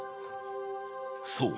そう。